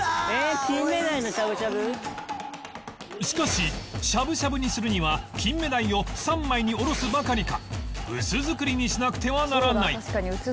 しかししゃぶしゃぶにするにはキンメダイを３枚におろすばかりか薄造りにしなくてはならない